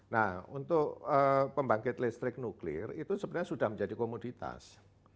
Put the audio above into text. nah untuk pembangkit listrik nuklir itu sebenarnya sudah menjadi komoditas